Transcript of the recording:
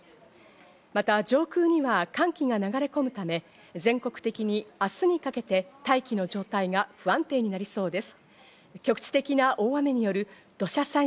また上空には寒気が流れ込むため、全国的に明日にかけて大気の状態が不安定になりそうです。